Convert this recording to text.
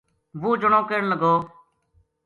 وہ جنو کہن لگو